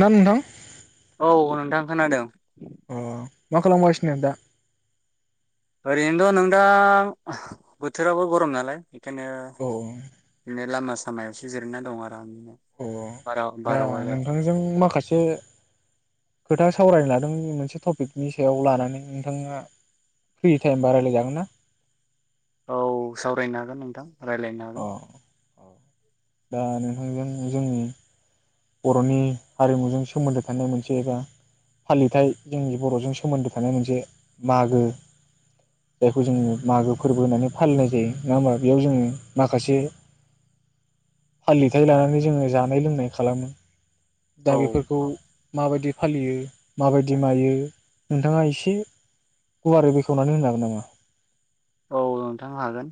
ना नोंथां। थां खोनादोंं। अ मा खालामबगासिनो दा। ओरैनोथ' नों दा बोथोराबो गरम नालाय औ [unintelligible] लामा सामायावसो जिरैना दं आरो आं अ दा नोंथांजों माखासे खोथा सावरायनो ला नोंथांनि मोनसे टपिकनि सायाव लानानै नोंथाङा फ्रि टाइमबा राय्लायजागोन ना? औ सावरायनो हागोन नोंथां। रायज्लायनो अ हागोन। दा नोंथांजों जोंनि बर'नि हारिमुजों सोमोन्दो थानाय मोनसे एबा फालिथाय जोंनि बर'जों सोमोन्दो थानाय मोनसे मागो जायखौ जोङो मागो फोरबो होननानै फालिनाय जायो नङा होमबा बेयाव जोङो माखासे फालिथाय लानानै जोङो जानाय लोंनाय खालामो। दा औ बेफोरखौ माबायदि फालियो माबायदि मायो? नोंथाङा एसे, गुवारै बेखेवनानै होनो हागोन नामा? औ नोंथांनो हागोन।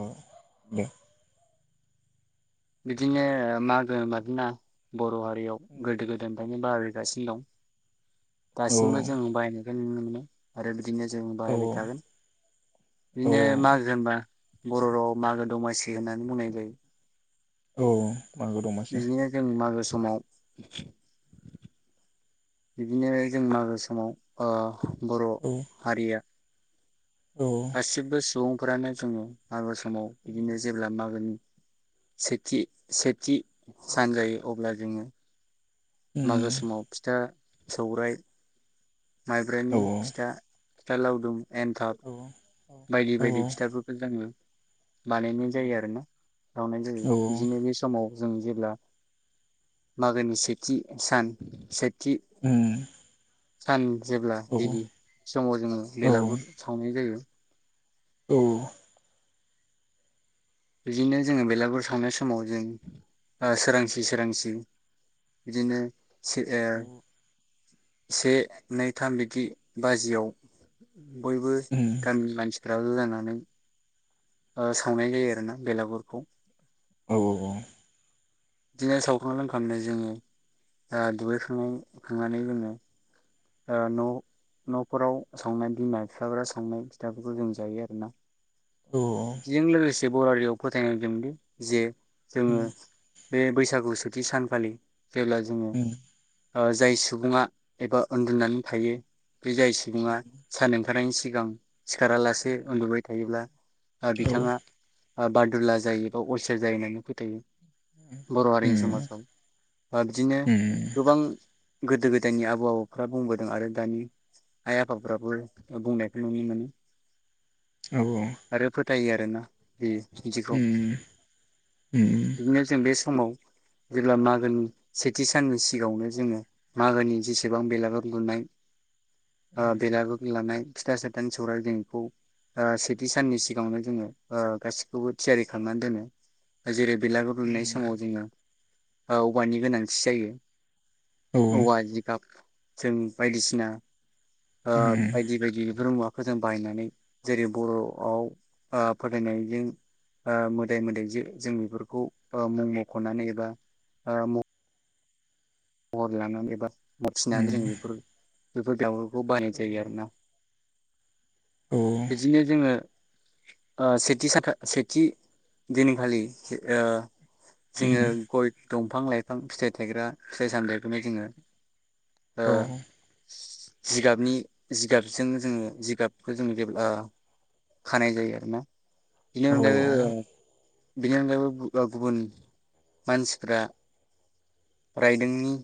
औ [inaudible] दे। बिदिनो मागो [inaudible] बर' हा रियाव गोदो गोदायनिफ्रायनो बारै गासिनो दं। औ दासिमबो जों बायनो जों नुनो मोनो आरो बिदिनो जों औ बाहायबाय थागोन औ बिदिनो मागो होनबा बर' रावआव मागो दमासि होननानै बुंनाय जायो। औ। मागो दमासि बिदिनो जों मागो समाव [inaudible] बिदिनो जों मागो समाव ओ बर' औ हारिया औ गासिबो सुबुं फोरानो जोङो मागो समाव बिदिनो जेब्ला मागोनि सेथि सेथि सानजायो अब्ला जोङो उम मागो समाव फिथा सौराय औ माइब्राइनि फिथा फिथा लावदुम एन्थाब औ बायदि औ बायदि फिथाफोरखौ जों ङो बानायनाय उम जायो आरो ना बावनाय जायो औ बिदिनो बे समाव जों जेब्ला मागोनि सेथि सान से उम सान जेब्ला औ गिबि समाव जोङो औ बेलागुर सावनाय जायो। औ। बिदिनो जोङो बेलागुर सावनाय समाव जों आ सोरांसि सोरांसि बिदिनो से ओ। से नै थाम बिदि बाजियाव बयबो उम गामिनि मानसि [unintelligible] बियाव लायनानै सावनाय जायो आरोना बेलागुरखौ। औ औ। बिदिनो सावखां लोंखांनाय जोङो ओ दुगैखांनाय खांनानै जोङो न' न'फोराव संनाय बिमा बिफाफ्रा संनाय फिथाफोरखौ जों जायो आरोना। बिजों लोगोसे बे बर'हारियाव फोथायनाय दंदि जे जोङो। बे बैसागु सेथि सानखालि जेब्ला जोङो ओ जाय सुबुङा एबा उन्दुनानै थायो बे जाय सुबुङा सार ओंखारनायनि सिगां सिखारालासे उन्दुबाय थायोब्ला बिथाङा बादुल्ला जायो बा अलसिया जायो होननानै फोथायो। बर' हारिनि उम समाजाव बा बिदिनो उम गोबां गोदो गोदायनि आबौ आबौफ्रा बुंबोदों आरो दानि आइ आफाफ्राबो बुंनायखौ नुनो मोनो। औ औ। आरो फोथायो आरो ना बेयो बिदिखौ उम उम औ बिदिनो जों बे समाव जेब्ला मागोनि सेथि साननि सिगाङावनो जोङो मागोनि जेसेबां बेलागुर लुनाय अ बेलागुर लानाय फिथा सथानि सौर जोंखौ सेथि साननि सिगाङावनो जोङो ओ गासिखौबो थियारि खालामनानै दोनो जेरै बेलागुर उम लुनाय समाव जोङो औवानि गोनांथि जायो। उम औ औवा जिगाब जों बायदिसिना ओ उम बायदि बायदि फोरजों बानायनानै जेरै बर' आव ओ फोथायनायजों ओ मोदाय मोदायजो जों बेफोरखौ ओ मुं मख'नानै एबा ओ अर लानानै एबा मुसिनानै जों बेखौ बेफोर बेवो [unintelligible] बेखौ बानायनाय जायो आरोना औ बिदिनो जोङो अ सेथि साख-सेथि दिनैखालि से ओ जङो गय दंफां लाइफां फिथाइ थायग्रा फिथाय सामथायखौनो जोङो ओ औ जिगाबनि जिगाबजों जोङो जिगाबखौ जों जेब्ला खानाय जायो आरोना बिनि अनगायैबो ओ बेनि अनगायैबो अ गुबुन मानसिफ्रा रायदोंनि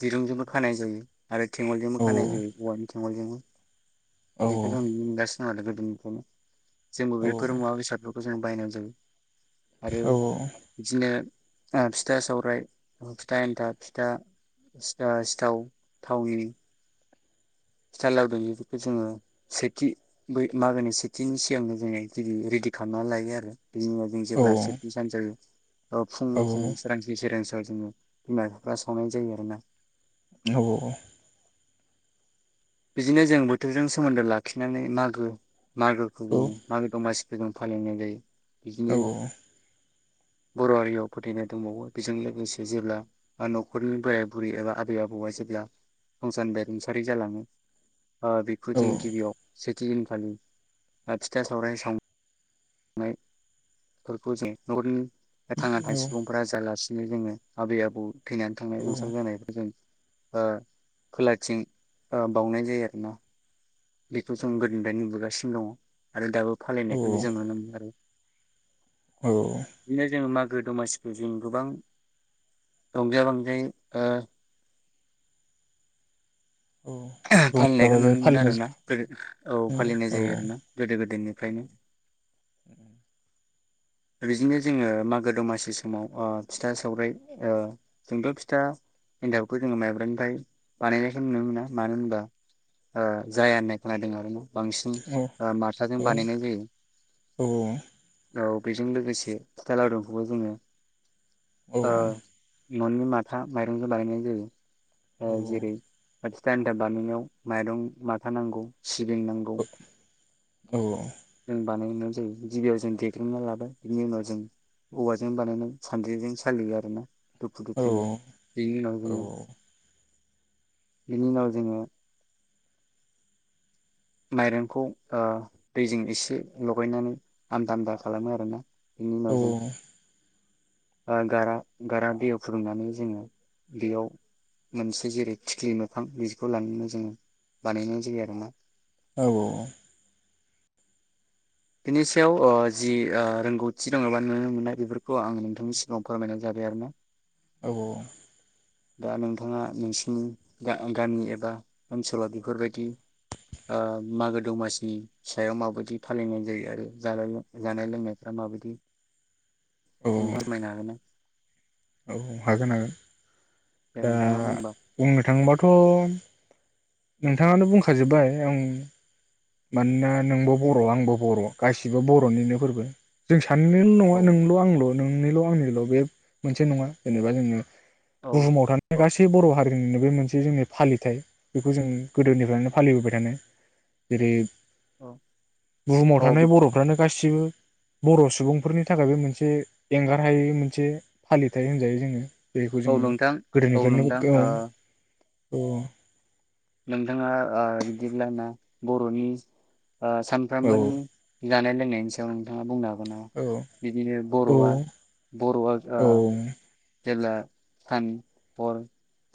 दिरुंजोंबो खानाय जायो आरो थेंगलजोंबो औ खानाय जायो औवानि [unintelligible] [unintelligible] [unintelligible] जोंबो बेफोर मुवा बेसादखौ- जों बायना जायो। आरो बिदिनो अ फिथा सावराय फिथा एन्थाब फिथा सिथा सिथाव थावनि स्टाइलाव जोङो सेथि बै मागोनि सेथिनि सिगांनो जोङो रेडि खालामनानै लायो आरो बिनि उनाव जों औ जेब्ला सेथि सान जायो औ फुं फुं सोरांसि सोरांसि जोङो बिमा बिफा सावनाय जायो आरो ना औ औ औ बिदिनो जों बोथोरजों सोमोन्दो लाखिनानै मागो मागोखौ बुङो मागो दमासि बेखौनो फालिनाय जायो। औ बिदिनो औ ओ बर' हारियाव फोथायनाय दंबावो बेजों लोगोसे जेब्ला न'खरनि बोराय बुरै एबा आबै आबौआ जेब्ला संसारनिफ्राय रुंसारि जालाङो ओ बेखौ जों गिबियाव दिनखालि फिथा सावराय सावनायफोरखौ जों नखरनि थांना थानाय सुबुंफोरा जालासि [unintelligible] जोङो आबै आबौ थैनानै थांनाय रोंसार जानायफोर जों ओ खोलाथिं ओ बावनाय जायो आरोना बेखौ जों गोदोनिफ्रायनो नुबोगासिनो दङ आरो दाबो फालिनायखौनो जों नुनो मोनो आरो औ बिदिनो जोङो मा गो दमासिखौ जों गोबां रंजा बांजायै ओ औ रंजा फालिनायखौ बाजायै नुनो मोनो फालिनाय आरोना औ फालिनाय औ जायो आरोना गोदो गोदायनिफ्रायनो बिदिनो जोङो मागो दमासि समाव फिथा ओ सावराय ओ जोंथ फिथा एन्थाबखौ जोङो माइब्रानिफ्राय बानायनाया होननो मोना मानो होनबा ओ जाया होनाय खोनादो आरोना बांसिन औ ओ माथाजों औ बानायनाय जायो औ औ बैजों लोगोसे फुथा लावदुमखौबो जोङो औ औ। न नि माथा माइरंजों बानायनाय जायो ओ जेरै फिथा एन्था बानायनायाव माइरं माथा नांगौ सिबिं नांगौ औ औ। जों बानायांगौ जायो गिबियाव जों देग्रना लाबाय बिनि उनाव जों औवाजों बानायनानै सान्द्रिजों सालियो आरोना। दुखु दुथुनो बेनि उनाव जोङो बिनि उनाव जोङो माइरंखौ ओ दैजों एसे लगायनानै आमदा आमदा खालामो आरोना बिनि उनाव जों ओ गारा गारा दैयाव फुदुंनानै जोङो बेयाव मोनसे जेरै थिख्लि मोफां बिखौ लानानै जोङो बानायनाय जायो आरो ना औ औ। बिनि सायाव ओ जि ओ रोंगौथि दङबा नुनो मोननाय बेफोर खौ आङो नोंथांनि सिाङाव फोरमायनाय जाबाय आरो ना औ औ। दा नोंथाङा नोंसिनि गा गामि एबा ओनसोलाव बे फोरबायदि औ ओ मागो दमसिनि सायाव माबायदि फालिनाय जायो आरो जानाय औ जानाय लोंनायफ्रा माबायदि औ नों फोरमायनो हागोन ना? औ हागोन हागोन। दे दा नोंथाङा बुंबा बुंनो थाङोबाथ नोंथाङानो बुंखाजोबबाय आं मानोना नोंबो बर आंबो बर गासिबो बरनिनो फोरबो जों साननायल नङा औ नोंल आंल नोंनिल आंनिल बे मोनसे नङा जेनेबा जोङो औ बुहुमाव थानाय औ गासै बर हारिनिनो बे मोनसे जोंनि फालिथाय बेखौ जों गोदोनिफ्रायनो फालिबोबाय थानो जेरै औ बुहुमाव औ थानाय बर फ्रानो गासिबो बर सुबुंफोरनि थाखायबो मोनसे एंगारहायै मोनसे फालिथाय होनजायो जोङो बेखौ औ जोङो नोंथां औ नोंथां गोदोनिफ्रायनो ओ [unintelligible] औ। नोंथाङा ओ बिदिब्ला ना बरनि ओ सानफ्रामबोनि जानाय लोंनायनि सायाव नोंथाङा बुंनो हागोना हागोन बिदिनो बरआ बरआ ओ जेला सान हर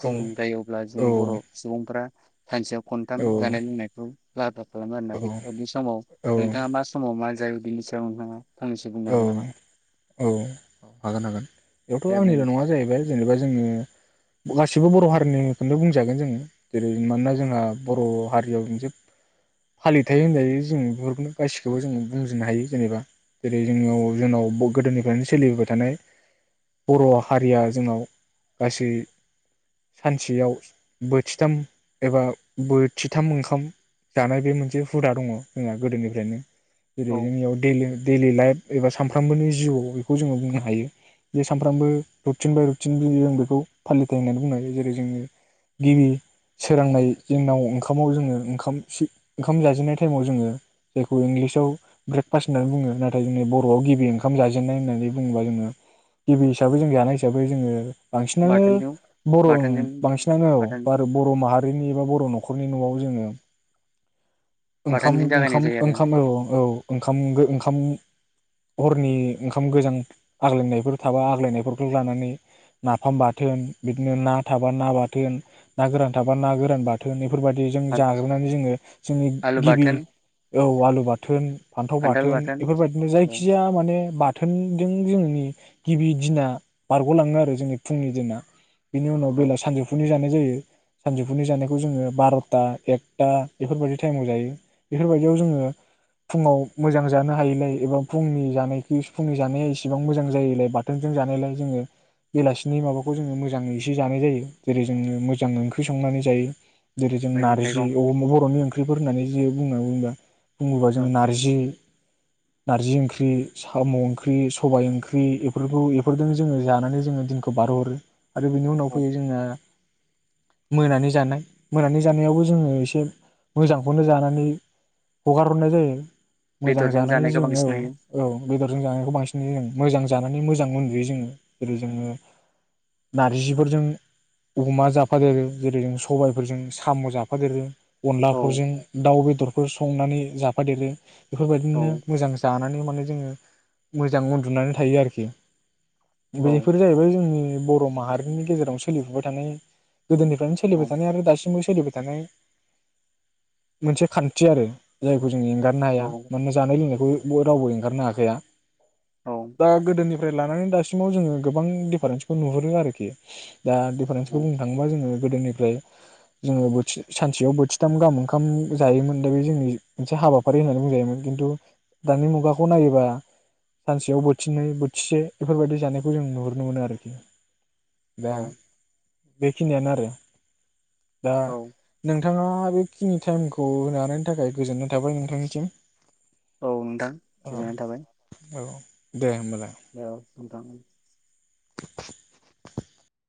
फुं जायोब्ला जों बर सुबुंफोरा सानसेयाव खनथाम जानाय बेयावथ' लोंनायखौ बा खालामो आरोना बि समाव नोंथाङा मा समाव मा जायो बिनि सायाव नोंथाङा फंनैसो बुंनो औ हागोन नामा औ औ हागोन हागोन बेयाव। थ दे बुं आंनिल नङा जाहैबाय जे जेनेबा जोङो गासिबो बर हारिनिखौनो बुंजागोन जोङो जेरै मानोना जोंहा बर हारियाव मोनसे फालिथाय होनजायो जों बेफोरखौनो गासिखौबो जों बुंजोबनो हायो जेनेबा। जेरै जोंनियाव जोंनाव गोदोनिफ्रायनो सोलिबोबाय थानाय बर हारिया जोंनाव गासै सानसेयाव बोथिथाम एबा बोथिथाम ओंखाम जानाय बे मोनसे हुदा दङ जोंहा गोदोनिफ्रायनो। जेरै औ जोंनियाव दैलि दैयलि लाइफ एबा सानफ्रामबोनि जिउआव बेखौ जोङो बुंनो हायो जे सानफ्रामबो रुटिन बाय रुटिन बिखौ जों बेखौ फालिथाय नाथाय जोंनि बरआव गिबि ओंखाम जाजेननाय होननानै बुङोबा जोङो गिबि हिसाबै जों जानाय हिसाबै जोङो बांसिनानो बाथोनजों बर बाथोनजों बांसिनानोऔ बाथोन बार बर माहारिनि एबा बर नखरनि नआव जोङो ओंखाम बाथोनजों जागायनाय ओंखाम जायो आरो ओंखाम औ औ ओंखाम गो ओंखाम हरनि ओंखाम गोजां आग्लायनायफोर थाबा आग्लायनायफोरखौ लानानै नाफाम बाथोन बिदिनो ना थाबा ना बाथोन ना गोरान थाबा ना गोरान बाथोन बेफोरबादि जों जाग्रोनानै जोङो जोंनि आलु गिबि बाथोन औ आलु बाथ थोन फान्थाव बाथोन बेफोरबायदिनो औ जायखिजाया माने बाथोनजों जों नि गिबि दिना बारगलाङो आरो जोंनि फुंनि दिना। बिनि उनाव औ बेला सानजौफुनि जानाय जायो सानजौफुनि जानायखौ जोङो बारथा एक्था बेफोरबायदि टाइमाव जायो। बेफोरबायदियाव जोङो फुङाव मोजां जानो हायिलाय एबा फुंनि जानायखौ फुंनि जानाया इसेबां मोजां जायलाय बाथोनजों जानायलाय जोङो बेलासिनि माबाखौ जोङो मोजाङै एसे जानाय जायो जेरै जोङो मोजां ओंख्रि संनानै जायो। जेरै जों मैगं नारजि थाइगं अम बर'नि ओंख ख्रिफोर होननानै जो जे बुंना बुंबा बुङोबा औ जोङो नारजि नारजि ओंख्रि साम' ओंख्रि सबाय ओंख्रि एफोरखौ एफोरजों जोङो जानानै जोङो दिनखौ बारहो हरो। आरो बिनि उनाव औ फैयो जोङा मोनानि जानाय मोनानि जानायावबो जोङो एसे मोजांखौनो जाना नै हगारहरनाय जायो। मोजां बेदरजों जानाय जानायखौ जों औ बांसिन नुयो औ बेदरजों जानायखौ बांसिन उम मोजां जानानै मोजां उन्दुयो जोङो जेरै जोङो नारजिफोरजों अमा जाफादेरो जेरै जों सबायफोरजों साम' जाफादेरो औ अनलाफोरजों दाउ बेदरफोर संनानै जाफादेरो औ बेफोरबायदिनो मोजां जानानै माने जोङो मोजां उन्दुनानै थायो आरोखि औ बेफोर जाहैबाय जोंनि बर' माहारिनि गेजेराव सोलिफुबाय थानाय गोदोनिफ्रायनो औ सोलिबाय थानाय आरो दासिमबो सोलिबाय थानाय मोनसे खान्थि आरो जायखौ जों एंगारनो हाया औ मानोना जानाय लोंनायखौ रावबो एंगारनो हाखाया औ दा गोदोनिफ्राय लानानै दासिमाव जोङो गोबां डिफारेन्सखौ नुहुरो आरोखि दा डिफारेन्सखौ औ बुंनो थाङोबा जोङो गोदोनिफ्राय जोङो बोथि सानसेयाव बोथिथाम गाहाम ओंखाम जायोमोन दे बे जोंनि मोनसे हाबाफारि होननानै बुंजायोमोन खिन्थु दानि मुगाखौ नायोबा सानसेयाव बोथिनै बोथिसे एफोरबायदि जानायखौ जों नुहुरनो मोनो आरोखि दा बेखिनियानो आरो दा औ नों थाङा बै खिनि टाइमखौ होन हानायनि थाखाय गोजोननाय थाबाय नोंथांनिसिम औ नोंथां औ गोजननाय थाबाय औ दे होमबाल लेव नोंथां [inaudible]